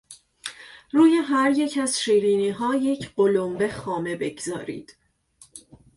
روی هریک از شیرینیها یک قلنبه خامه بگذارید.